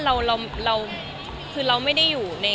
เราไม่ได้อยู่